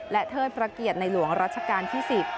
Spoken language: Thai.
และเทิดพระเกียรติในหลวงรัชกาลที่๑๐